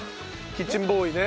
キッチンボーイね。